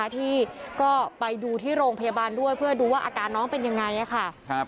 ที่ก็ไปดูที่โรงพยาบาลด้วยเพื่อดูว่าอาการน้องเป็นยังไงค่ะ